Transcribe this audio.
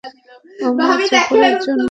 ওমর জাফরের জন্য।